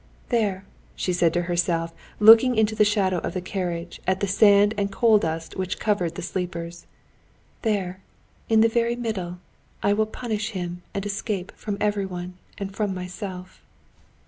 "There," she said to herself, looking into the shadow of the carriage, at the sand and coal dust which covered the sleepers—"there, in the very middle, and I will punish him and escape from everyone and from myself."